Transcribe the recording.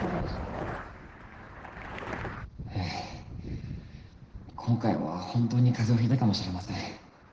はい今回は本当に風邪をひいたかもしれません。